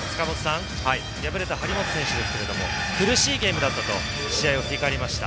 敗れた張本選手ですが苦しいゲームだったと試合を振り返りました。